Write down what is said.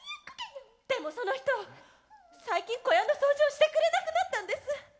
でもその人最近小屋の掃除をしてくれなくなったんです。